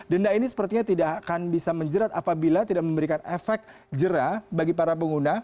denda ini sepertinya tidak akan bisa menjerat apabila tidak memberikan efek jerah bagi para pengguna